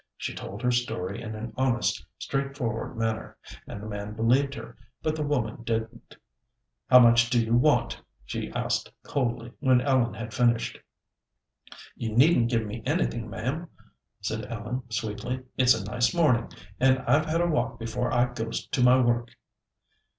She told her story in an honest, straightforward manner, and the man believed her; but the woman didn't. "How much do you want?" she asked coldly, when Ellen had finished. "You needn't give me anything, ma'am," said Ellen sweetly. "It's a nice morning, and I've had a walk before I goes to my work."